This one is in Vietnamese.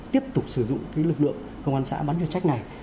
tiếp tục sử dụng cái lực lượng công an xã bán nhân trách này